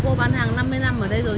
cô bán hàng năm mươi năm ở đây rồi